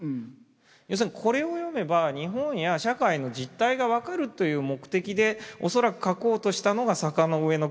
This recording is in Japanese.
要するにこれを読めば日本や社会の実態が分かるという目的で恐らく書こうとしたのが「坂の上の雲」。